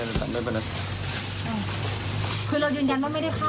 อืมคือเรายืนยันว่าไม่ได้เข้า